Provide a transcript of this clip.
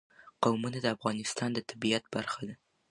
قومونه د افغانستان د طبیعت برخه ده.